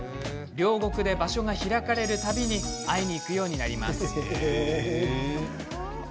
両国で場所が開かれる度に会いに行くようになります。